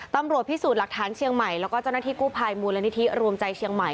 ตำรวจพิสูจน์หลักฐานเชียงใหม่แล้วก็เจ้าหน้าที่กู้ภัยมูลนิธิรวมใจเชียงใหม่